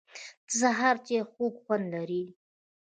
د سهار چای خوږ خوند لري